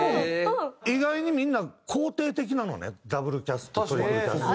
意外にみんな肯定的なのねＷキャストトリプルキャスト。